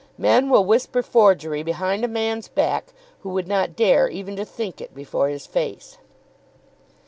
Men will whisper forgery behind a man's back who would not dare even to think it before his face.